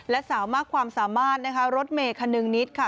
และสาวมากความสามารถนะคะรถเมย์คันนึงนิดค่ะ